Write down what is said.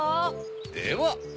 では！